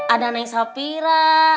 ada neng sopira